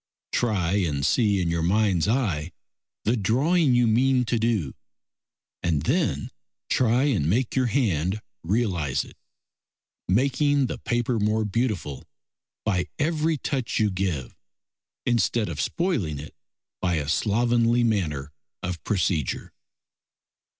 Try and see in your mind's eye the drawing you mean to do, and then try and make your hand realise it, making the paper more beautiful by every touch you give instead of spoiling it by a slovenly manner of procedure.